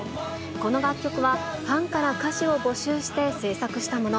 この楽曲は、ファンから歌詞を募集して制作したもの。